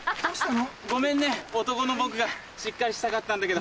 ごめんね男の僕がしっかりしたかったんだけど。